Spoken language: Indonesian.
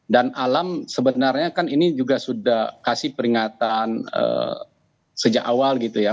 dan alam sebenarnya kan ini juga sudah kasih peringatan sejak awal gitu ya